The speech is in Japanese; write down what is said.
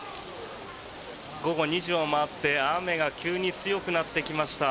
午後２時を回って雨が急に強くなってきました。